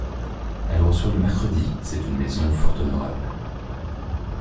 Elle reçoit le mercredi ; c’est une maison fort honorable.